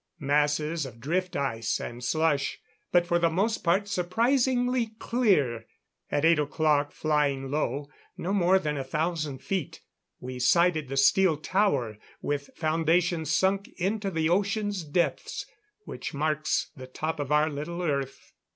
Masses of drift ice and slush, but for the most part surprisingly clear. At eight o'clock, flying low no more than a thousand feet we sighted the steel tower with foundations sunk into the ocean's depths which marks the top of our little Earth.